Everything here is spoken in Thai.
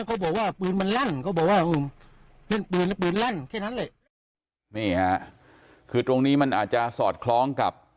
ก็บอกว่าปืนเป็นลั่นแค่นั้นเลย